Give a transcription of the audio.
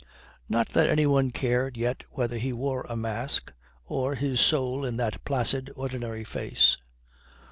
Not that anyone cared yet whether he wore a mask or his soul in that placid, ordinary face.